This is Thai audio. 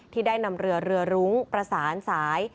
ที่ได้นำเรือเรือรุ้งประสานสาย